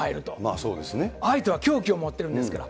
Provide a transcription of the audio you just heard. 相手は凶器を持ってるんですから。